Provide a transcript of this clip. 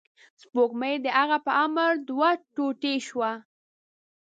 سپوږمۍ د هغه په امر دوه ټوټې شوه.